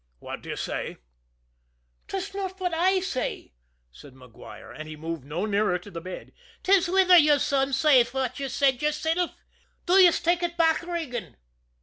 What do you say?" "'Tis not fwhat I say," said Maguire, and he moved no nearer to the bed. "'Tis whether yez unsay fwhat yez said yersilf. Do yez take ut back, Regan?"